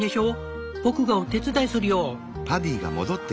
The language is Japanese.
僕がお手伝いするよ。